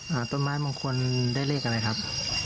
ต้นไม้มงคลได้เลขอะไรครับ